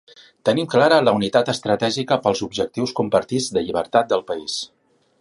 Tenim clara la unitat estratègica pels objectius compartits de llibertat del país.